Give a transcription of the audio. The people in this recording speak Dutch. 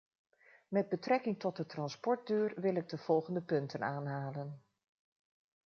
Met betrekking tot de transportduur wil ik de volgende punten aanhalen.